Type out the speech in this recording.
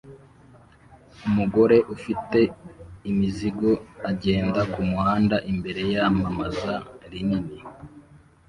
Umugore ufite imizigo agenda kumuhanda imbere yamamaza rinini